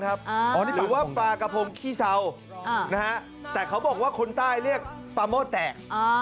อันนี้ถือว่าปลากระพงขี้เศร้าแต่เขาบอกว่าคนใต้เรียกปลาโม่แตก